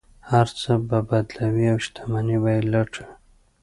هر څه به بدلوي او شتمنۍ به یې لوټوي.